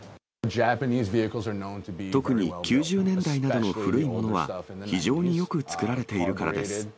特に９０年代などの古いものは、非常によく作られているからです。